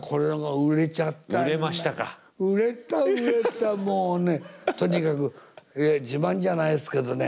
売れた売れたもうねとにかく自慢じゃないですけどね